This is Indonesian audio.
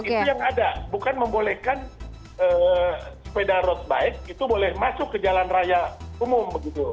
itu yang ada bukan membolehkan sepeda road bike itu boleh masuk ke jalan raya umum begitu